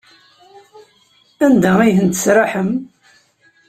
Anda ay ten-tesraḥem?